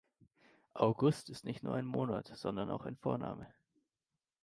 August ist nicht nur ein Monat, sondern auch ein Vorname.